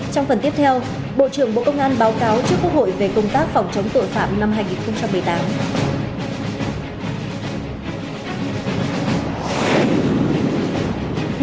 trong phần tiếp theo bộ trưởng bộ công an báo cáo trước quốc hội về công tác phòng chống tội phạm năm hai nghìn một mươi tám